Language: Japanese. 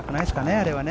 あれはね。